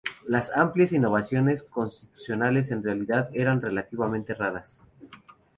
Las amplias innovaciones constitucionales en realidad eran relativamente raras.